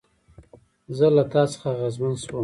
زه له تا څخه اغېزمن شوم